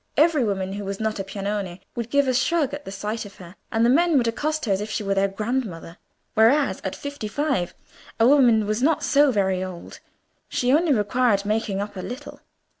Every woman who was not a Piagnone would give a shrug at the sight of her, and the men would accost her as if she were their grandmother. Whereas, at fifty five a woman was not so very old—she only required making up a little.